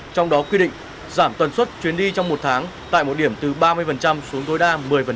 trong đó quy định giảm tuần suất chuyến đi trong một tháng tại một điểm từ ba mươi xuống tối đa một mươi